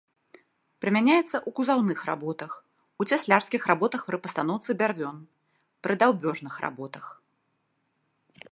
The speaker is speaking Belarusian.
Прымяняецца ў кузаўных работах, у цяслярскіх работах пры пастаноўцы бярвён, пры даўбёжных работах.